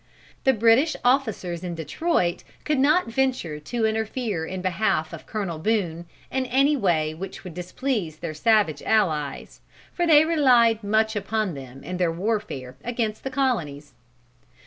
The British officers in Detroit could not venture to interfere in behalf of Colonel Boone, in any way which would displease their savage allies, for they relied much upon them in their warfare against the colonies.